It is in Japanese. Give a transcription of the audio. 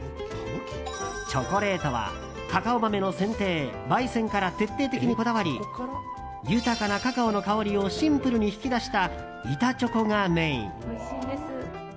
チョコレートはカカオ豆の選定・焙煎から徹底的にこだわり豊かなカカオの香りをシンプルに引き出した板チョコがメイン。